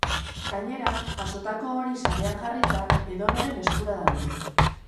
Gainera, jasotako hori sarean jarrita, edonoren eskura daude.